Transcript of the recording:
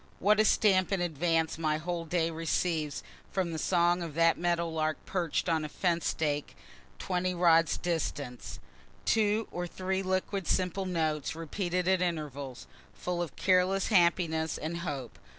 What a stamp in advance my whole day receives from the song of that meadow lark perch'd on a fence stake twenty rods distant! Two or three liquid simple notes, repeated at intervals, full of careless happiness and hope.